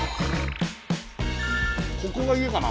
ここが家かな？